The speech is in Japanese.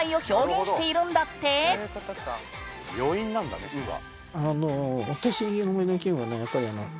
余韻なんだね「ン」は。